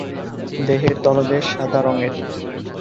দেহের তলদেশ সাদা রঙের।